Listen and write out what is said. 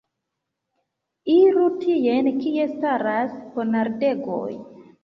Iru tien, kie staras ponardegoj!